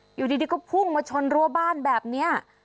อยู่ดีก็พุ่งมาชนรั้วบ้านแบบนี้